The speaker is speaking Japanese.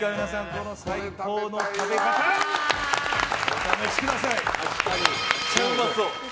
この最高の食べ方をお試しください。